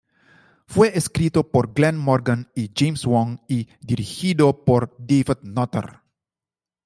Fue escrito por Glen Morgan y James Wong y dirigido por David Nutter.